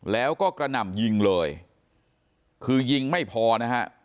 แล้วก็กระหน่ำยิงเลยคือยิงไม่พอนะฮะ